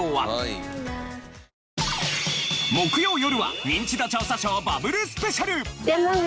木曜よるは『ニンチド調査ショー』バブルスペシャル。